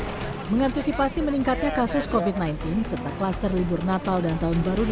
hai mengantisipasi meningkatnya kasus covid sembilan belas serta kluster libur natal dan tahun baru di